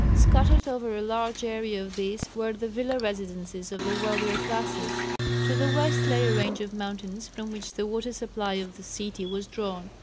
Scattered over a large area of this were the villa residences of the wealthier classes. To the west lay a range of mountains, from which the water supply of the city was drawn.